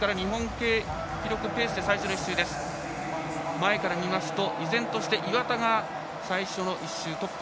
前から見ますと依然として岩田が最初の１周、トップ。